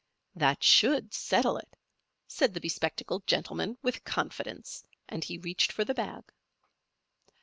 "That should settle it," said the bespectacled gentleman, with confidence, and he reached for the bag.